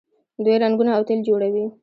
دوی رنګونه او تیل جوړوي.